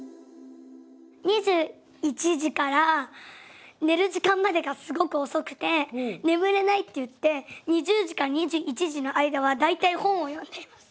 ２１時から寝る時間までがすごく遅くて眠れないって言って２０時から２１時の間は大体本を読んでいます。